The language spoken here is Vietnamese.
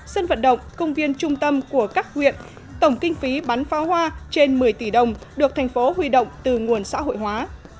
sân vận động công viên trung tâm của các huyện tổng kinh phí bắn phá hoa trên một mươi tỷ đồng được thành phố huy động từ nguồn xã hội hóa